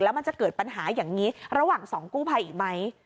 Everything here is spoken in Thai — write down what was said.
แล้วมันจะเกิดปัญหาอย่างนี้ระหว่างสองกู้ภัยอีกไหม